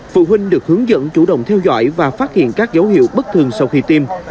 phụ huynh được hướng dẫn chủ động theo dõi và phát hiện các dấu hiệu bất thường sau khi tiêm